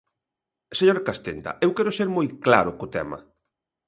Señor Castenda, eu quero ser moi claro co tema.